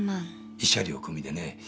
慰謝料込みでね。